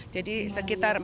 jadi sekitar empat lima